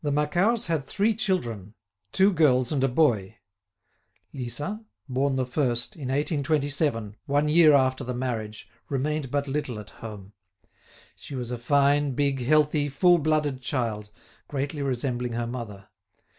The Macquarts had three children, two girls and a boy. Lisa,[*] born the first, in 1827, one year after the marriage, remained but little at home. She was a fine, big, healthy, full blooded child, greatly resembling her mother.